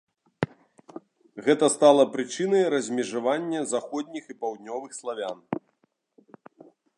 Гэта стала прычынай размежавання заходніх і паўднёвых славян.